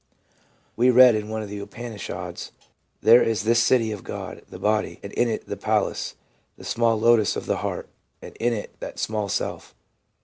We read in one of the Upanishads :' There is this city of God, the body, and in it the palace, the small lotus of the heart, and in it that small self.